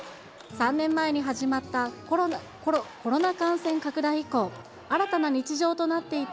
３年前に始まった、コロナ感染拡大以降、新たな日常となっていた